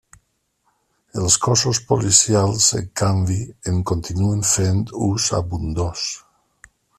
Els cossos policials, en canvi, en continuen fent ús abundós.